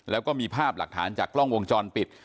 แล้วก็มีภาพหลักฐานจากกล้องวงจรปิด